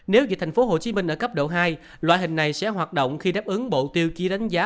nếu dịch tp hcm ở cấp độ hai loại hình này sẽ hoạt động khi đáp ứng bộ tiêu chí đánh giá